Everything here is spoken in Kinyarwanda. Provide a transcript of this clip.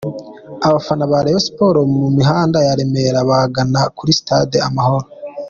Abafana ba Rayon Sports mu mihanda ya Remera bagana kuri sitade Amahoro.